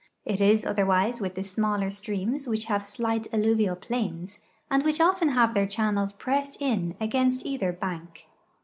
It is otherwise with the smaller streams which have slight alluvial jjlains, and which often have their channels pressed in against either bank.